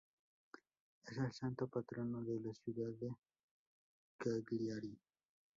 Es el santo patrono de la ciudad de Cagliari.